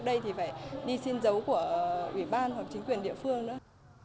nếu không có thì phải đi xin dấu của ủy ban hoặc chính quyền địa phương nữa